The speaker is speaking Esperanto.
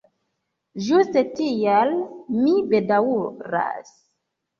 Ĝuste tial mi bedaŭras.